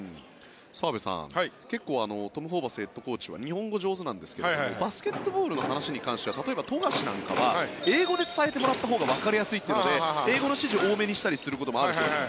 澤部さん、結構トム・ホーバスヘッドコーチは日本語が上手なんですがバスケットボールの話に関しては例えば富樫なんかは英語で伝えてもらったほうがわかりやすいというので英語の指示を多めにしたりすることもあるそうです。